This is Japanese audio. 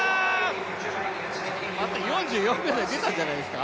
なんと４４秒台、出たんじゃないですか？